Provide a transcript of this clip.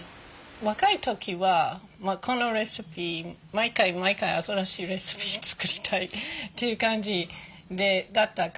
若い時はこのレシピ毎回毎回新しいレシピ作りたいという感じだったから。